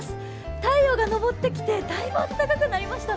太陽が昇ってきてだいぶ暖かくなりましたね。